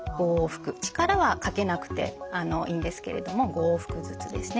力はかけなくていいんですけれども５往復ずつですね。